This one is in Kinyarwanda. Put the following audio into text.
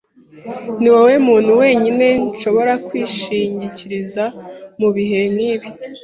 Niwowe muntu wenyine nshobora kwishingikiriza mubihe nkibi.